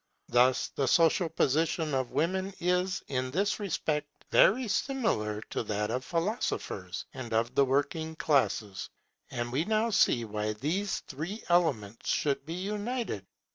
Thus the social position of women is in this respect very similar to that of philosophers and of the working classes. And we now see why these three elements should be united.